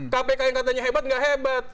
kpk yang katanya hebat nggak hebat